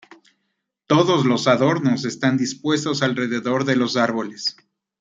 Todos los adornos estaban dispuestos alrededor de los árboles...".